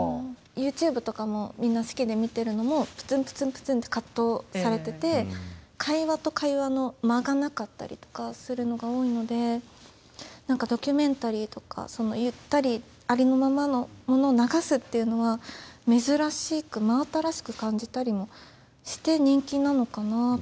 ＹｏｕＴｕｂｅとかもみんな好きで見てるのもぷつんぷつんぷつんってカットされてて会話と会話の間がなかったりとかするのが多いので何かドキュメンタリーとかゆったりありのままのものを流すっていうのは珍しく真新しく感じたりもして人気なのかなと。